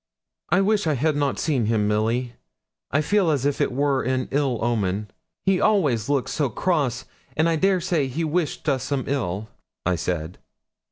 'I wish I had not seen him, Milly. I feel as if it were an ill omen. He always looks so cross; and I dare say he wished us some ill,' I said.